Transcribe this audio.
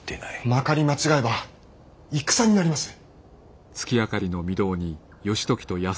まかり間違えば戦になります。